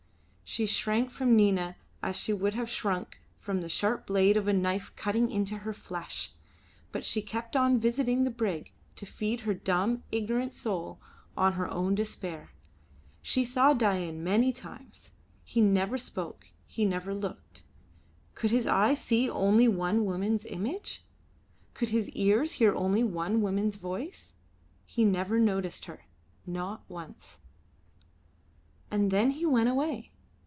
She shrank from Nina as she would have shrunk from the sharp blade of a knife cutting into her flesh, but she kept on visiting the brig to feed her dumb, ignorant soul on her own despair. She saw Dain many times. He never spoke, he never looked. Could his eyes see only one woman's image? Could his ears hear only one woman's voice? He never noticed her; not once. And then he went away.